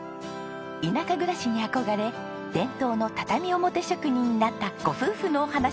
田舎暮らしに憧れ伝統の畳表職人になったご夫婦のお話。